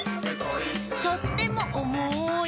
「とってもおもい！」